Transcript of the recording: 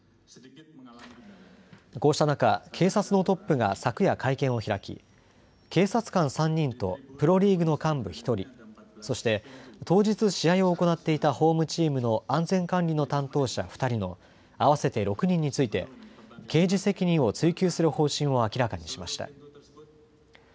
こうした中、警察のトップが昨夜、会見を開き警察官３人とプロリーグの幹部１人、そして当日試合を行っていたホームチームの安全管理の担当者２人の合わせて６人について刑事責任を追及する方針を明らかにしました。